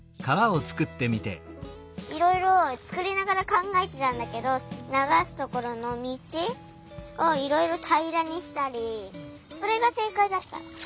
いろいろつくりながらかんがえてたんだけどながすところのみちをいろいろたいらにしたりそれがせいかいだった。